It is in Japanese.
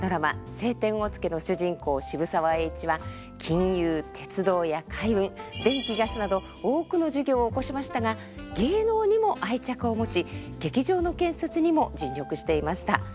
「青天を衝け」の主人公渋沢栄一は金融鉄道や海運電気ガスなど多くの事業をおこしましたが芸能にも愛着を持ち劇場の建設にも尽力していました。